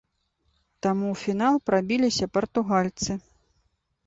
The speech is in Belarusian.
Таму ў фінал прабіліся партугальцы.